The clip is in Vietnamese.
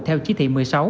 theo chí thị một mươi sáu